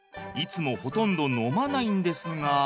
いつもほとんど飲まないんですが。